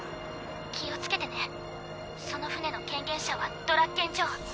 気を付けてねその船の権限者はドラッケン・ジョー。